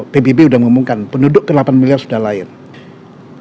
pbb sudah mengumumkan penduduk ke delapan miliar sudah lahir